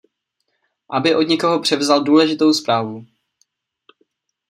Aby od někoho převzal důležitou zprávu.